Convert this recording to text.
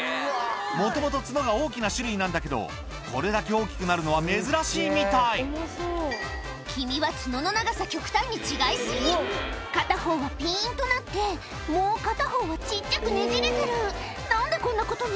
もともと角が大きな種類なんだけどこれだけ大きくなるのは珍しいみたい君は角の長さ極端に違い過ぎ片方はピンとなってもう片方は小っちゃくねじれてる何でこんなことに？